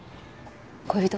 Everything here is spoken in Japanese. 恋人？